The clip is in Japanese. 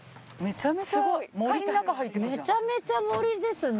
めちゃめちゃ森ですね。